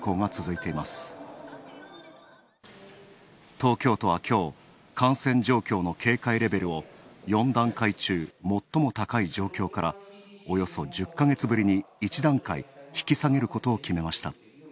東京都はきょう、感染状況の警戒レベルを４段階中最も高い状況からおよそ１０か月ぶりに１段階引き下げることを決めました。